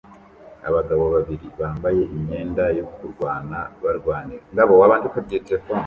Abagabo babiri bambaye imyenda yo kurwana barwanira